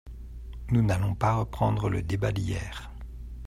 Nous n’allons pas reprendre le débat d’hier.